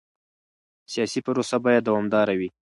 سیاسي پروسه باید دوامداره وي